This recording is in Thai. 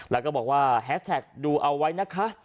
แล้วก็บอกว่าแฮสแท็กดูเอาไว้นะคะ